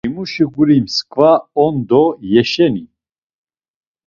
Himuşi guri msk̆va on do yeşeni.